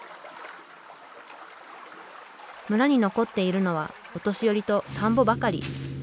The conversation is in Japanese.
村に残っているのはお年寄りと田んぼばかり。